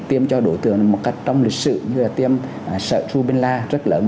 thì tiêm cho đối tượng một cách trong lịch sự như là tiêm sợi tru binh la rất lớn